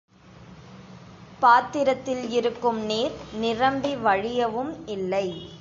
பாத்திரத்தில் இருக்கும் நீர் நிரம்பி வழியவும் இல்லை.